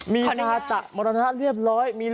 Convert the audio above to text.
มีนาตะมรณะเรียบร้อย